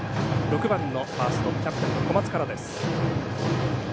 ６番のファースト、キャプテンの小松からです。